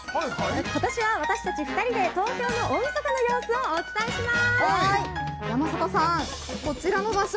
今年は私たち２人で東京の大みそかの様子をお伝えします。